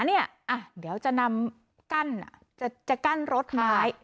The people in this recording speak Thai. เดี๋ยวจะกั้นรถท้าย